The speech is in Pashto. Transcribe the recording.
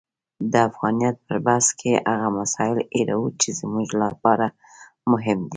د افغانیت پر بحث کې هغه مسایل هیروو چې زموږ لپاره مهم دي.